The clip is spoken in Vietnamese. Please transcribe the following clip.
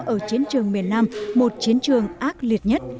ở chiến trường miền nam một chiến trường ác liệt nhất